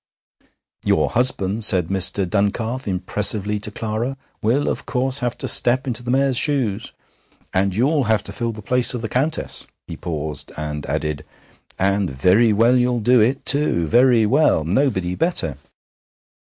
'Your husband,' said Mr. Duncalf impressively to Clara, 'will, of course, have to step into the Mayor's shoes, and you'll have to fill the place of the Countess.' He paused, and added: 'And very well you'll do it, too very well. Nobody better.'